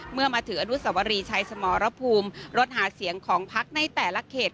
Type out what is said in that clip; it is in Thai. เมื่อมาถึงอนุสวรีชัยสมรภูมิรถหาเสียงของพักในแต่ละเขต